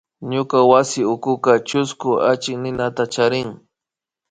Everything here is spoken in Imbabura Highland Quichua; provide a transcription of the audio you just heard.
Ñuka wasi ukuka chusku achikninata charin